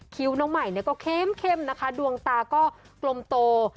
คิ้วน้องใหม่ก็เข้มนะคะดวงตาก็กลมโต